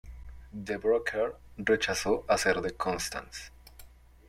Deborah Kerr rechazó hacer de Constance.